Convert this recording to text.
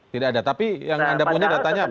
tidak ada tapi yang anda punya datanya apa